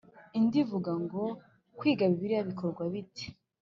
indi ivuga ngo Kwiga Bibiliya bikorwa bite